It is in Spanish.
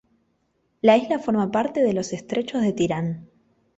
La isla forma parte de los Estrechos de Tirán.